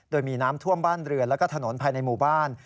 โดยมีน้ำท่วมบ้านเรือนแล้วก็ถนนภายในหมู่บ้าน